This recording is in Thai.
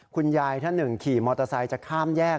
คุณยายท่านหนึ่งขี่มอเตอร์ไซค์จะข้ามแยก